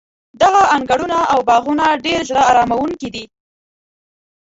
دغه انګړونه او باغونه ډېر زړه اراموونکي دي.